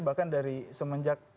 bahkan dari semenjak